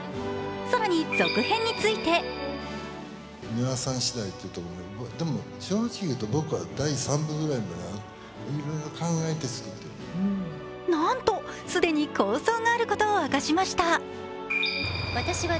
更に続編についてなんと既に構想があることを明かしました。